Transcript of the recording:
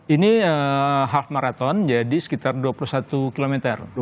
ini half marathon jadi sekitar dua puluh satu km